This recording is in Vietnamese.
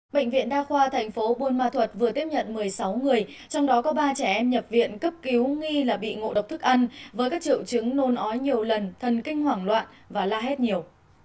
bệnh viện đa khoa thành phố buôn ma thuật vừa tiếp nhận một mươi sáu người trong đó có ba trẻ em nhập viện cấp cứu nghi là bị ngộ độc thức ăn với các triệu chứng nôn ói nhiều lần thần kinh hoảng loạn và la hét nhiều